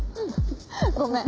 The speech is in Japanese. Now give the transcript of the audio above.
ごめん。